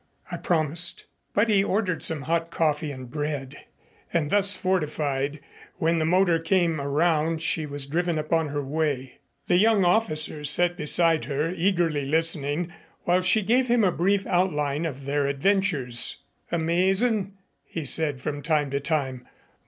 I promised." But he ordered some hot coffee and bread, and thus fortified, when the motor came around she was driven upon her way. The young officer sat beside her, eagerly listening, while she gave him a brief outline of their adventures. "Amazin'!" he said from time to time.